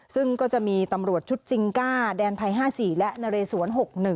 ซึ่งก็จะมีตำรวจชุดจิงก้าแดนไทย๕๔และนเรสวน๖๑